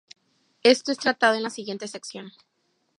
Esto es tratado en la siguiente sección.